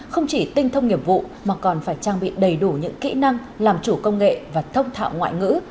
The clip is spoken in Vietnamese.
không chỉ tinh thông nghiệp vụ mà còn phải trang bị đầy đủ những kỹ năng làm chủ công nghệ và thông thạo ngoại ngữ